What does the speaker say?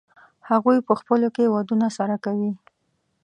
هغوی په خپلو کې ودونه سره کوي.